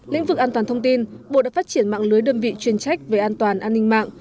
lĩnh vực an toàn thông tin bộ đã phát triển mạng lưới đơn vị chuyên trách về an toàn an ninh mạng